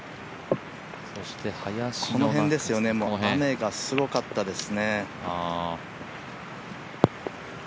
この辺ですよね、雨がすごかったです。